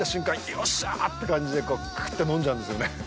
よっしゃーって感じでクーっと飲んじゃうんですよね。